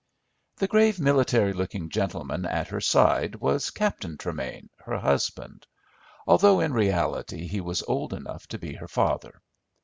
The grave military looking gentleman at her side was Captain Tremain, her husband, although in reality he was old enough to be her father.